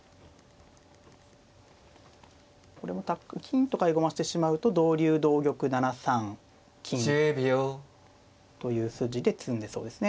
これも金とか合駒してしまうと同竜同玉７三金という筋で詰んでそうですね。